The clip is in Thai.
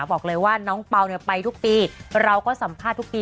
บอกเลยว่าน้องเปล่าเนี่ยไปทุกปีเราก็สัมภาษณ์ทุกปี